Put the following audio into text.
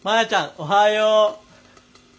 おはよう。